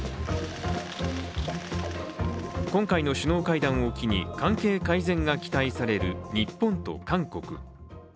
今回の首脳会談を機に関係改善が期待される日本と韓国。